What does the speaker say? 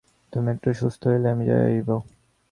তুমি একটু সুস্থ হইলেই আমি যাইব।